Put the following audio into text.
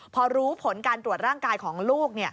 พอรู้ผลการตรวจร่างกายของลูก